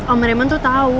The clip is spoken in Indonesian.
om raymond tuh tau